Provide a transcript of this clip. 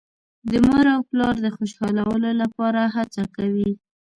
د مور او پلار د خوشحالولو لپاره هڅه کوي.